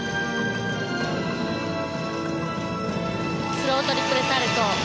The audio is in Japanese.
スロートリプルサルコウ。